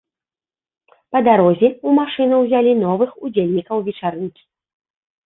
Па дарозе ў машыну ўзялі новых удзельнікаў вечарынкі.